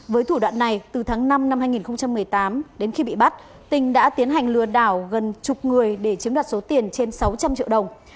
với thủ đoạn này từ tháng năm năm hai nghìn một mươi tám đến khi bị bắt tình đã tiến hành lừa đảo gần chục người để chiếm đoạt số tiền trên sáu trăm linh triệu đồng